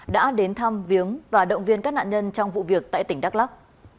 đã đến thăm viếng và động viên các nạn nhân trong vụ việc tại tỉnh đắk lắc